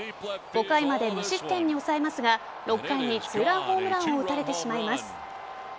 ５回まで無失点に抑えますが６回に２ランホームランを打たれてしまいます。